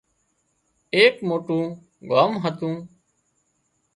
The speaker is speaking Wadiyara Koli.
ايڪ موٽُون ڳام هتُون